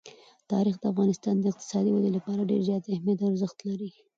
تاریخ د افغانستان د اقتصادي ودې لپاره ډېر زیات اهمیت او ارزښت لري.